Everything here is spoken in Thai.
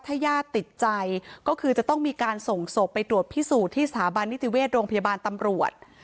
ถ้าญาติติดใจก็คือจะต้องมีการส่งศพไปตรวจพิสูจน์ที่สถาบันนิติเวชโรงพยาบาลตำรวจ